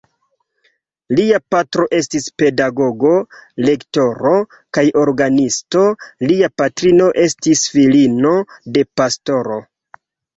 Lia patro estis pedagogo, rektoro kaj orgenisto, lia patrino estis filino de pastoro.